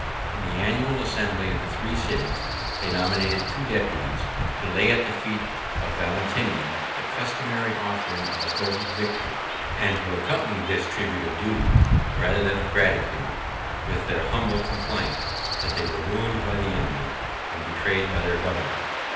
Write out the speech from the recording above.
In the annual assembly of the three cities, they nominated two deputies, to lay at the feet of Valentinian the customary offering of a gold victory; and to accompany this tribute of duty, rather than of gratitude, with their humble complaint, that they were ruined by the enemy, and betrayed by their governor.